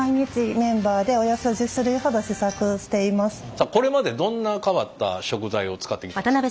さあこれまでどんな変わった食材を使ってきたんですか？